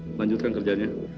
lu lanjutkan kerjanya